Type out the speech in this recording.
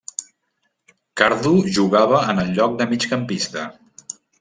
Cardo jugava en el lloc de migcampista.